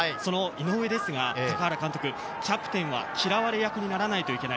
高原監督、キャプテンは嫌われ役にならないといけない。